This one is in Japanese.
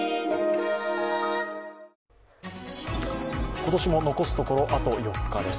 今年も残すところ、あと４日です。